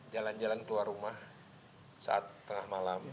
jalan jalan keluar rumah saat tengah malam